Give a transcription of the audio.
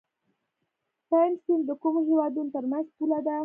پنج سیند د کومو هیوادونو ترمنځ پوله ده؟